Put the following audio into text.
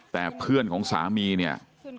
แต่เพื่อนของสามีเนี่ย